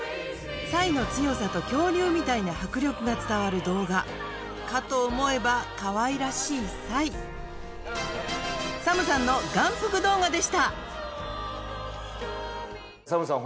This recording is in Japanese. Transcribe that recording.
サイの強さと恐竜みたいな迫力が伝わる動画かと思えばかわいらしいサイＳＡＭさんの眼福動画でしたＳＡＭさん